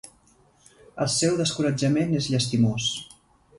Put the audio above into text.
El seu descoratjament és llastimós.